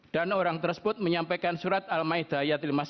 dan orang tersebut menyampaikan surat al ma'idah lima puluh satu